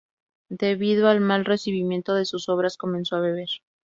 Debido al mal recibimiento de sus obras comenzó a beber.